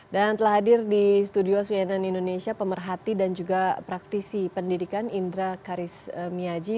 dan telah hadir di studio suyedan indonesia pemerhati dan juga praktisi pendidikan indra karismiaji